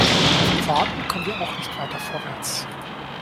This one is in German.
Vom Warten kommen wir auch nicht weiter vorwärts.